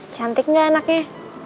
cantik gak enaknya